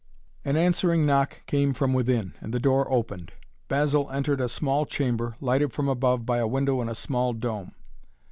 An answering knock came from within, and the door opened. Basil entered a small chamber, lighted from above by a window in a small dome.